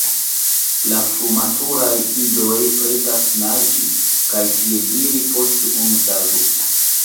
La frumaturaj idoj pretas naĝi kaj piediri post unu tago.